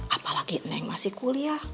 apalagi neng masih kuliah